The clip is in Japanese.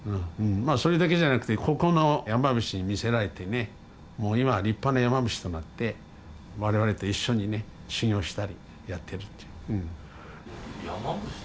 まあそれだけじゃなくてここの山伏に魅せられてねもう今は立派な山伏となって我々と一緒にね修行したりやってるっていう。